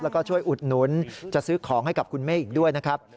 แล้วก็ช่วยอุดหนุนจะซื้อของให้กับคุณเมฆอีกด้วยนะครับ